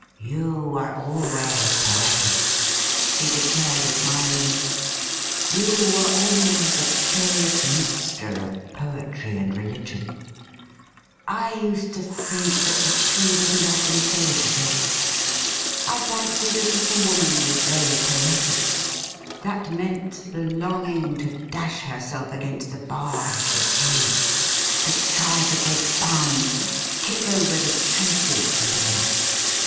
'You were always poetic,' he declared admiringly. ' You were always a curious mixture of poetry and re ligion. I used to think that the two didn't often go together. I fancied that if a woman was very poetic that meant the longing to dash herself against the bars of the cage — ^to try to break bounds, kick over the traces, and all that.